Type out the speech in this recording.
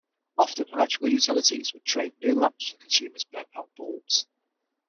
Often electrical utilities would trade new lamps for consumers' burned-out bulbs.